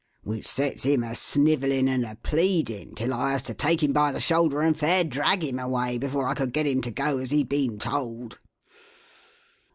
Which sets him a snivelling and a pleading till I has to take him by the shoulder, and fair drag him away before I could get him to go as he'd been told."